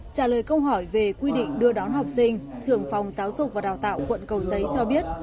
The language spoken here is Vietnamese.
trả lời câu hỏi về quy định đưa đón học sinh trường phòng giáo dục và đào tạo quận cầu giấy cho biết